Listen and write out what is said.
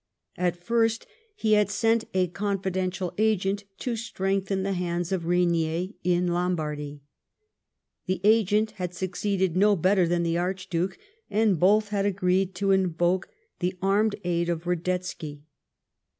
At first he had sent a confidential agent to strengthen the hands of Rainier in Lombardy. The agent had succeeded no better than the Archduke, and both had agreed to invoke the armed aid of Ivadetzky.